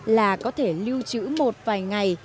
là có thể lưu trữ một vài ngày